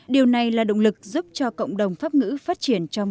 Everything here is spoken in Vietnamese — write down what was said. điều này là động lực giúp cho cộng đồng pháp ngữ phát triển